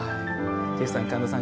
ジェフさん、神門さん